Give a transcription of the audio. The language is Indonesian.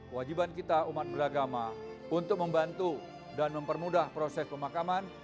wajiban kita umat beragama untuk membantu dan mempermudah proses pemakaman